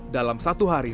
dalam satu hari